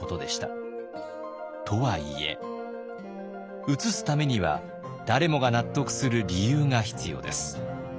とはいえ移すためには誰もが納得する理由が必要です。